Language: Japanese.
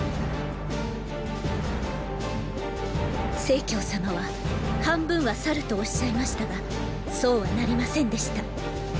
⁉成様は“半分は去る”とおっしゃいましたがそうはなりませんでした。